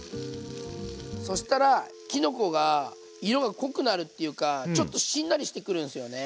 そしたらきのこが色が濃くなるっていうかちょっとしんなりしてくるんですよね。